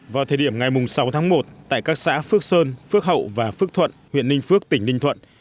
vào thời điểm ngày sáu tháng một tại các xã phước sơn phước hậu và phước thuận huyện ninh phước tỉnh ninh thuận